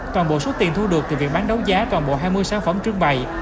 toàn bộ số tiền thu được từ việc bán đấu giá toàn bộ hai mươi sản phẩm trưng bày